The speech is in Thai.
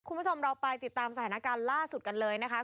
คุณผู้ชมเราไปติดตามสถานการณ์ล่าสุดกันเลยนะคะ